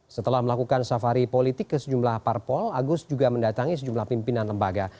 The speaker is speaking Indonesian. setelah melakukan safari politik ke sejumlah parpol agus juga mendatangi sejumlah pimpinan lembaga